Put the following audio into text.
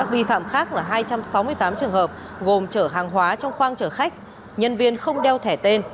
vi phạm khác là hai trăm sáu mươi tám trường hợp gồm chở hàng hóa trong khoang chở khách nhân viên không đeo thẻ tên